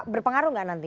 berpengaruh tidak nanti